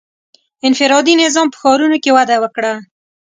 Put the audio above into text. • انفرادي نظام په ښارونو کې وده وکړه.